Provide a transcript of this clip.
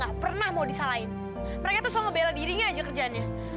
gak pernah mau disalahin mereka selalu bela dirinya aja kerjaannya